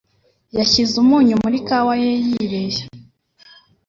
Yashyize umunyu muri kawa ye yibeshya.